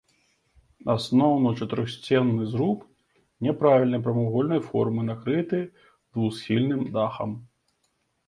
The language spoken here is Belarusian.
Асноўны чатырохсценны зруб няправільнай прамавугольнай формы накрыты двухсхільным дахам.